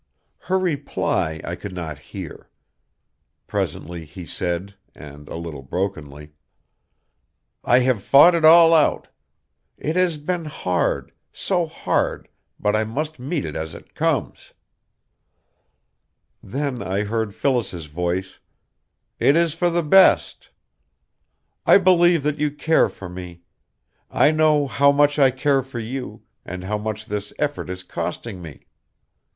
Her reply I could not hear. Presently he said, and a little brokenly: "I have fought it all out. It has been hard, so hard, but I must meet it as it comes." Then I heard Phyllis's voice: "It is for the best." "I believe that you care for me. I know how much I care for you, and how much this effort is costing me.